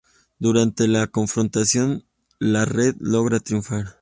Durante la confrontación la Red logra triunfar.